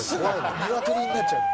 ニワトリになっちゃうの。